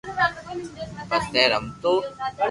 پسي رمتو